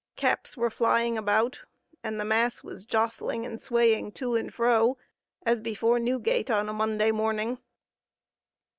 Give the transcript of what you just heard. Caps were flying about, and the mass was jostling and swaying to and fro, as before Newgate on a Monday morning.